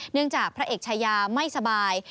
เนื่องจากพระเอกใช้ยาไม่สบาย